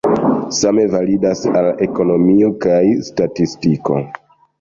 Same validas al ekonomio kaj statistiko.